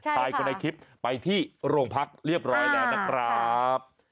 ชายคนในคลิปไปที่โรงพักเรียบร้อยแล้วนะครับ